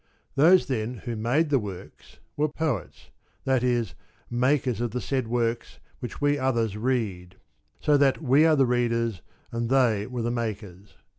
Those then who made the works, were poets, that is makers of the said works which we others read; so that we are the readers, and they were the makers.